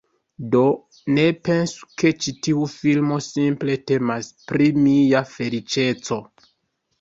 Do, ne pensu ke ĉi tiu filmo simple temas pri mia feliĉeco